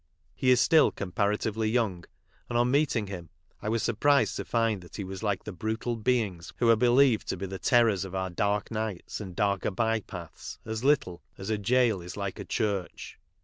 lie is still comparatively young, and on meeting him I was surprised to lind that he was like the brutal beings who are believed to be the terrors of our dark nights and darker by paths as little as a gaol is like a church.